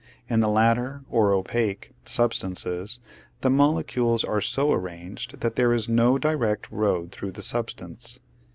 In the latter, or opaque, substances, the molecules are so arranged that there is no direct road through the substance.